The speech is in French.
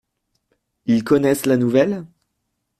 Ils connaissent la nouvelle ?